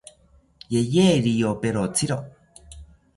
Yeye riyoperotziro